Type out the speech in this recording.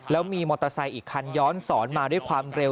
แล้วมีมอเตอร์ไซค์อีกคันย้อนสอนมาด้วยความเร็ว